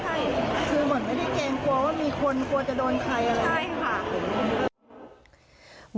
ตรงผมได้ไงตรงผมหลอกตรงผู้ชายอายุประมาณสามสิบ